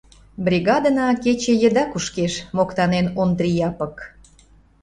— Бригадына кече еда кушкеш, — моктанен Ондри Япык.